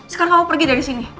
sekarang kamu pergi dari sini